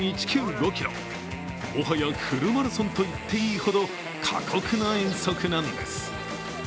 もはやフルマラソンと言っていいほど過酷な遠足なんです。